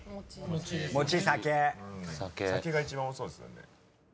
酒が一番多そうですよね。